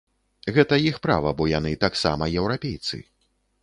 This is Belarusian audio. Гэта іх права, бо яны таксама еўрапейцы.